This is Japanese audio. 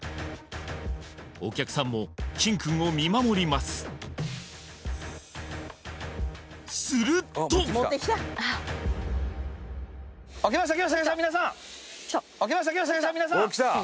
お客さんもキンくんを見守りますすると・きましたきました皆さん！